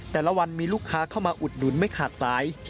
แต่ละวันมีลูกค้าเข้ามาอุดหนุนไม่ขาดสาย